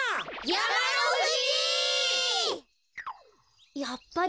やまのふじ！